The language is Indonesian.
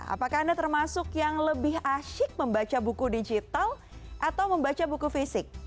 apakah anda termasuk yang lebih asyik membaca buku digital atau membaca buku fisik